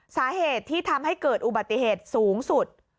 สาเหตุที่ทำให้เกิดอุบัติเหตุสูงสุด